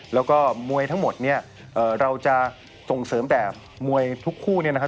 แล้วก็มวยทั้งหมดเนี่ยเราจะส่งเสริมแต่มวยทุกคู่เนี่ยนะครับ